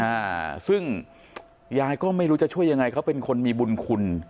อ่าซึ่งยายก็ไม่รู้จะช่วยยังไงเขาเป็นคนมีบุญคุณ